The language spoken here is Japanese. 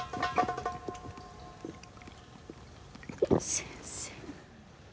先生。